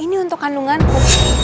ini untuk kandunganku